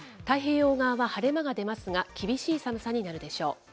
太平洋側は晴れ間が出ますが、厳しい寒さになるでしょう。